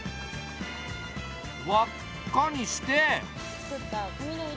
わっかにして。